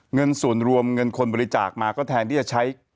เงินส่วนรวมเงินคนบริจาคมาก็แทนที่จะใช้